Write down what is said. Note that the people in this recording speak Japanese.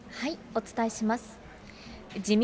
お伝えします。